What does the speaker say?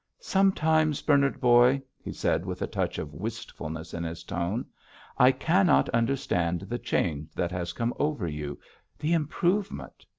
"Sometimes, Bernard boy," he said, with a touch of wistfulness in his tone, "I cannot understand the change that has come over you, the improvement.